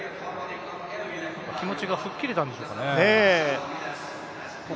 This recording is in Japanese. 気持ちが吹っ切れたんでしょうかね。